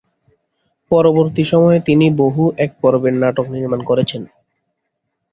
পরবর্তী সময়ে তিনি বহু এক পর্বের নাটক নির্মাণ করেছেন।